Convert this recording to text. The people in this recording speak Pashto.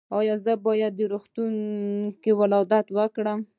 ایا زه باید په روغتون کې ولادت وکړم؟